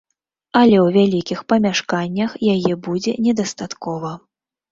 Але ў вялікіх памяшканнях яе будзе недастаткова.